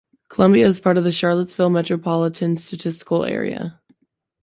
Columbia is part of the Charlottesville Metropolitan Statistical Area.